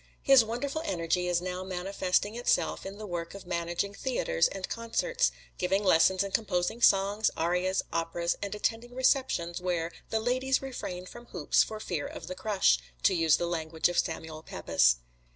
His wonderful energy is now manifesting itself in the work of managing theaters and concerts, giving lessons and composing songs, arias, operas, and attending receptions where "the ladies refrain from hoops for fear of the crush," to use the language of Samuel Pepys.